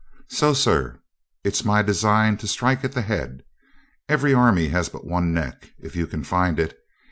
So, sir, it's my design to strike at the head. Every army has but one neck if you can find it.